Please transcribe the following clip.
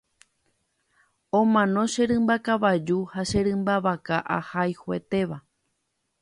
omano che rymba kavaju ha che rymba vaka ahayhuetéva